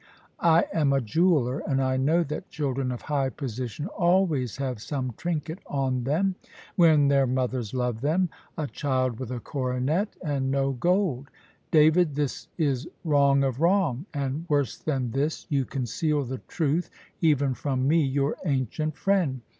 I am a jeweller, and I know that children of high position always have some trinket on them, when their mothers love them. A child with a coronet, and no gold! David, this is wrong of wrong. And worse than this, you conceal the truth, even from me your ancient friend.